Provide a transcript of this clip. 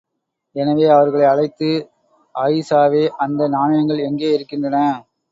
எனவே அவர்களை அழைத்து ஆயிஷாவே அந்த நாணயங்கள் எங்கே இருக்கின்றன?